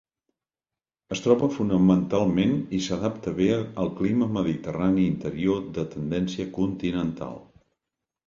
Es troba fonamentalment i s'adapta bé al clima mediterrani interior de tendència continental.